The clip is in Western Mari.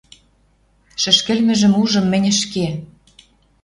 Шӹшкӹлмӹжӹм ужым мӹньӹ ӹшке...»